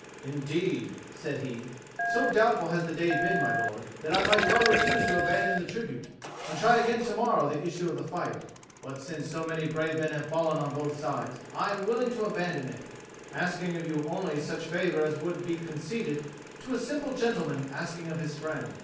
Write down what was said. "Indeed," said he, "so doubtful has the day been, my lord, that I might well refuse to abandon the tribute, and try again to morrow the issue of the fight. But, since so many brave men have fallen on both sides, I am willing to abandon it, asking of you only such favour as would be conceded to a simple gentleman asking of his friend.